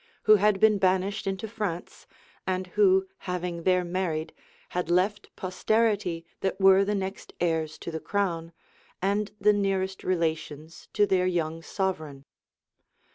who had been banished into France, and who, having there married, had left posterity that were the next heirs to the crown, and the nearest relations to their young sovereign.